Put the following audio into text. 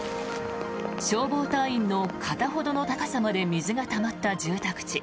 消防隊員の肩ほどの高さまで水がたまった住宅地。